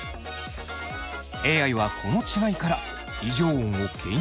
ＡＩはこの違いから異常音を検出したのです。